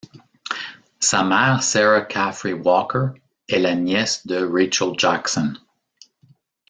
Sa mère Sarah Caffery Walker, est la nièce de Rachel Jackson.